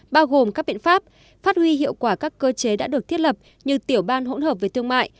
bao gồm các biện pháp phát huy hiệu quả các cơ chế đã được thiết lập như tiểu ban hỗn hợp về thương mại